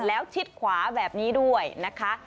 แล้วชิดขวาแบบนี้ด้วยนะคะ